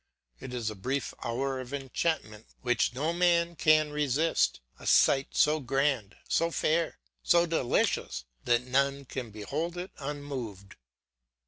It is a brief hour of enchantment which no man can resist; a sight so grand, so fair, so delicious, that none can behold it unmoved.